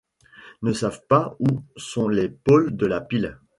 Ne savent pas où sont les pôles de la pile.